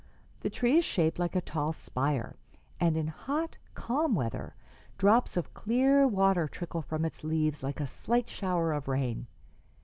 The tree is shaped like a tall spire, and in hot, calm weather drops of clear water trickle from its leaves like a slight shower of rain.